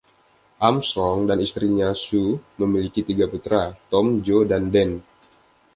Armstrong dan istrinya, Sue, memiliki tiga putra: Tom, Joe, dan Dan.